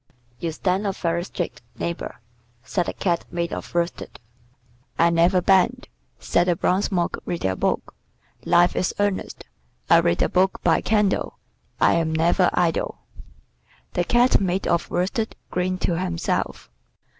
"You stand up very straight, neighbor," said the Cat made of worsted. "I never bend," said the bronze Monk reading a book. "Life is earnest. I read a book by candle. I am never idle." The Cat made of worsted grinned to himself.